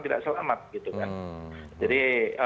tidak selamat gitu kan jadi